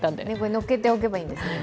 乗っけておけばいいんですもんね。